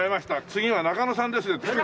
次は中野さんです。